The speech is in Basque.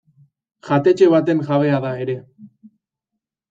Jatetxe baten jabea da ere.